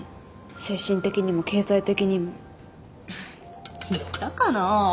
精神的にも経済的にも言ったかな？